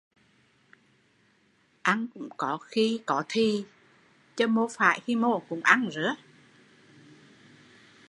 Ăn cũng có khi có thì chớ mô phải khi mô cũng ăn